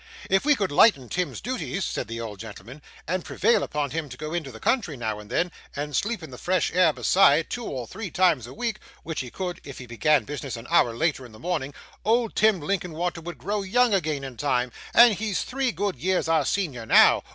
'If we could lighten Tim's duties,' said the old gentleman, 'and prevail upon him to go into the country, now and then, and sleep in the fresh air, besides, two or three times a week (which he could, if he began business an hour later in the morning), old Tim Linkinwater would grow young again in time; and he's three good years our senior now.